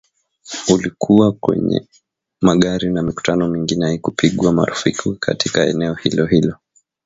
Ulikuwa kwenye magari na mikutano mingine haikupigwa marufuku katika eneo hilo-hilo.